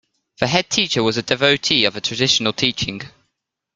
The headteacher was a devotee of traditional teaching